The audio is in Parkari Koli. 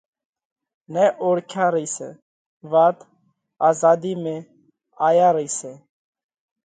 نئہ اوۯکيا رئِي سئہ! وات آزاڌِي ۾ آيا رئِي سئہ!